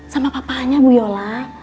sama papahannya bu yola